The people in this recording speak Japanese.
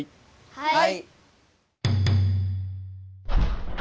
はい！